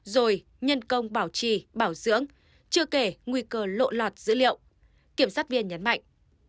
rồi nhân công bảo trì bảo dưỡng chưa kể nguy cơ lộ lọt dữ liệu kiểm sát viên nhấn mạnh